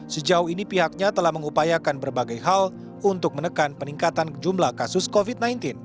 sejauh ini pihaknya telah mengupayakan berbagai hal untuk menekan peningkatan jumlah kasus covid sembilan belas